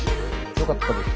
よかったです。